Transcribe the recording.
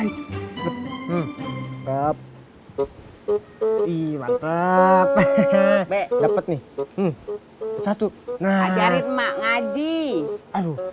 hai hai hai ayo hai hai hai bab iwap peh peh peh peh nih satu nah jadi emak ngaji aduh